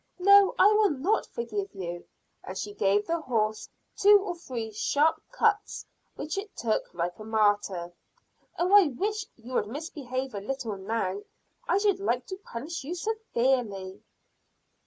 No, I will not forgive you," and she gave the horse two or three sharp cuts, which it took like a martyr. "Oh, I wish you would misbehave a little now; I should like to punish you severely."